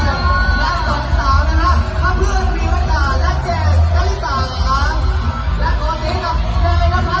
และสองสาวนะครับข้าเพื่อนมิวัตตาและแจกสัตว์สาวนะคะ